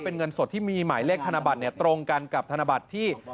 เป็นเงินสดที่มีหมายเลขธนบัตรตรงกันกับธนบัตรที่